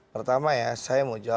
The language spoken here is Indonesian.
pertama ya saya mau jawab